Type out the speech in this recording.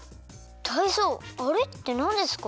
タイゾウあれってなんですか？